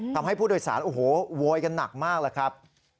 ทำให้ผู้โดยสารโวยกันหนักมากเลยครับ